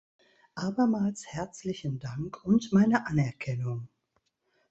Abermals herzlichen Dank und meine Anerkennung.